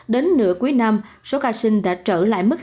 đến nửa cuối năm số ca sinh đã trở lại mức hai nghìn một mươi chín